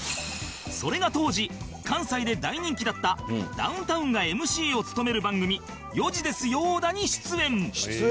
それが当時関西で大人気だったダウンタウンが ＭＣ を務める番組『４時ですよだ』に出演